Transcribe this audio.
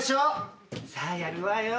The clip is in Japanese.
さあやるわよ。